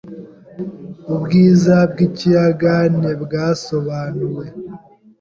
Ubwiza bwikiyaga ntibwasobanuwe.